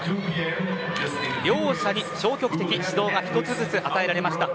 両者に消極的指導が１つずつ与えられました。